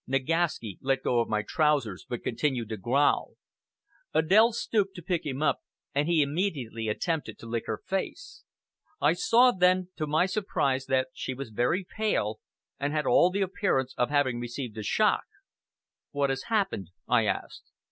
Nagaski let go of my trousers, but continued to growl. Adèle stooped to pick him up, and he immediately attempted to lick her face. I saw then, to my surprise, that she was very pale, and had all the appearance of having received a shock. "What has happened?" I asked.